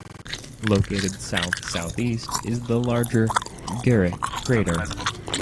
Located south-southeast is the larger Guericke crater.